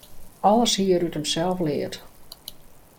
Alles hie er út himsels leard.